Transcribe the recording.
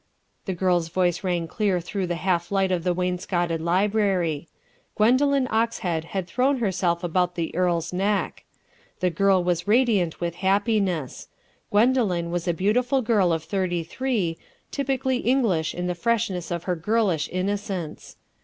The girl's voice rang clear through the half light of the wainscoted library. Gwendoline Oxhead had thrown herself about the earl's neck. The girl was radiant with happiness. Gwendoline was a beautiful girl of thirty three, typically English in the freshness of her girlish innocence.